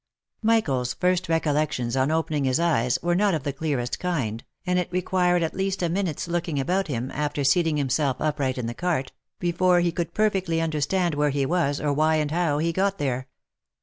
Michael's first recollections on opening his eyes were not of the clearest kind, and it required at least a minute's looking about him, after seating himself upright in the cart, before he could perfectly understand where he was, or why and how he got there.